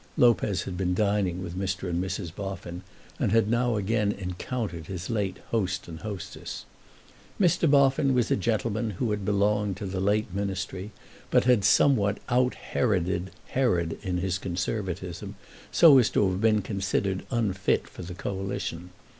Lopez had been dining with Mr. and Mrs. Boffin, and had now again encountered his late host and hostess. Mr. Boffin was a gentleman who had belonged to the late Ministry, but had somewhat out Heroded Herod in his Conservatism, so as to have been considered to be unfit for the Coalition.